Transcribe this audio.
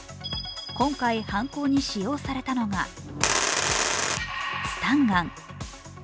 今回、犯行に使用されたのがスタンガン。